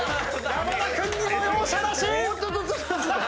山田君にも容赦なし！